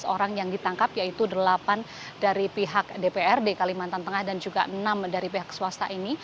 tujuh belas orang yang ditangkap yaitu delapan dari pihak dprd kalimantan tengah dan juga enam dari pihak swasta ini